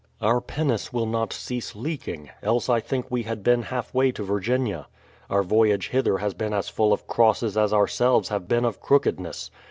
Our pinace will not cease leaking, else I think we had been half way to Virginia. Our voyage hither has been as full of crosses as ourselves have been of crookedness.